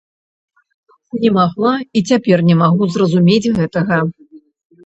Не магла, і цяпер не магу зразумець гэтага.